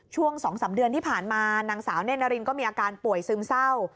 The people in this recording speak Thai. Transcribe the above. ช่วง๒๓เดือนที่ผ่านมานางสาวเน่นนารินก็มีอาการป่วยซึมเศร้า